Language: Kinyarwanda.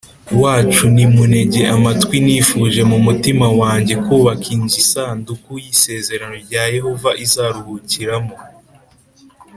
Wacu nimuntege amatwi nifuje mu mutimah wanjye kubaka inzu isanduku y isezerano rya yehova izaruhukiramo